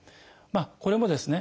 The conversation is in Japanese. これもですね